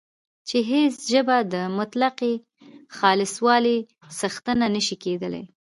چې هیڅ ژبه د مطلقې خالصوالي څښتنه نه شي کېدلای